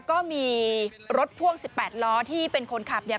ก็มีรถพ่วง๑๘ล้อที่เป็นคนขับเนี่ย